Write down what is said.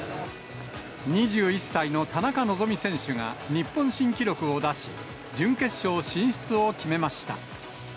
２１歳の田中希実選手が日本新記録を出し、準決勝進出を決めました。